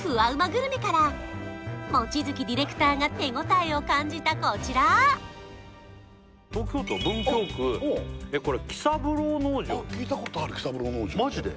グルメから望月ディレクターが手応えを感じたこちら東京都文京区これ喜三郎農場あっ聞いたことある喜三郎農場マジで？